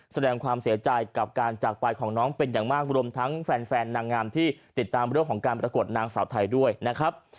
แสดงความเสียใจกับการจากไปของน้องเป็นอย่างมากรวมทั้งแฟนนางงามที่ติดตามเรื่องของการประกวดนางสาวไทยด้วยนะครับ